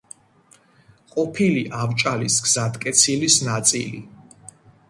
ყოფილი ავჭალის გზატკეცილის ნაწილი.